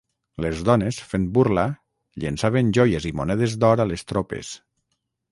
Les dones, fent burla, llençaven joies i monedes d'or a les tropes.